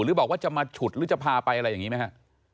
หรือว่าจะมาฉุดหรือจะพาไปอะไรอย่างนี้ไหมฮะ